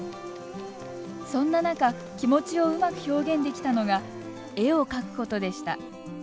そんな中、気持ちをうまく表現できたのが絵を描くことでした。